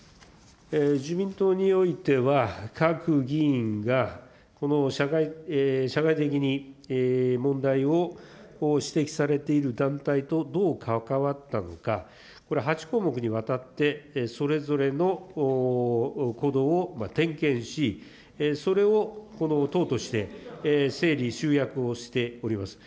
自民党においては、各議員がこの社会的に問題を指摘されている団体とどう関わったのか、これ、８項目にわたってそれぞれの行動を点検し、それをこの党として、整理、集約をしております。